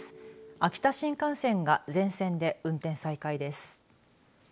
秋田新幹線が全線で運転再開です。